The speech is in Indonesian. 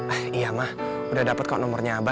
eh iya mah udah dapet kok nomornya abah